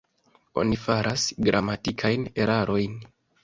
Oni faras gramatikajn erarojn.